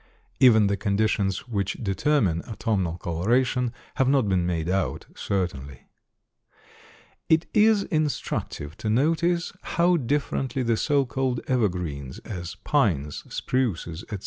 Even the conditions which determine autumnal coloration have not been made out certainly. It is instructive to notice how differently the so called evergreens, as pines, spruces, etc.